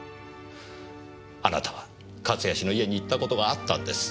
あなたは勝谷氏の家に行った事があったんです。